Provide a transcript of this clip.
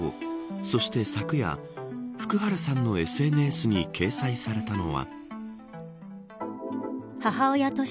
そして昨夜福原さんのＳＮＳに掲載されたのは。